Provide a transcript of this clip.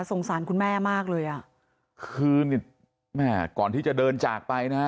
สงสารคุณแม่มากเลยอ่ะคืนนี่แม่ก่อนที่จะเดินจากไปนะฮะ